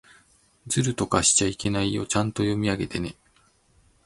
ずるとかしちゃいけないよ。ちゃんと読み上げてね。